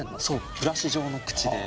ブラシ状の口で。